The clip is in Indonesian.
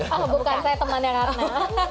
oh bukan saya temannya karena